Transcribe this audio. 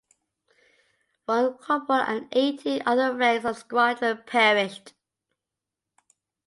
One corporal and eighteen other ranks of the squadron perished.